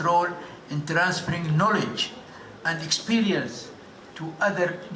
dalam memindahkan pengetahuan dan pengalaman